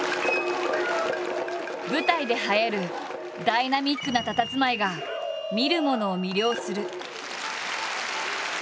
舞台で映えるダイナミックなたたずまいが見る者を魅了する。